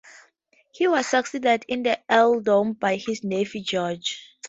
He was succeeded in the earldom by his nephew, George.